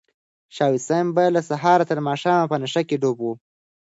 شاه حسین به له سهاره تر ماښامه په نشه کې ډوب و.